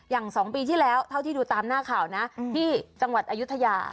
๒ปีที่แล้วเท่าที่ดูตามหน้าข่าวนะที่จังหวัดอายุทยา